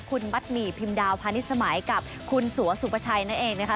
คุณมัดหมี่พิมดาวพาณิชสมัยกับคุณสัวสุปชัยนั่นเองนะคะ